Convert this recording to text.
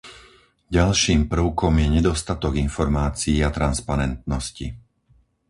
Ďalším prvkom je nedostatok informácií a transparentnosti.